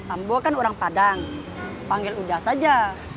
ambo kan orang padang panggil uda saja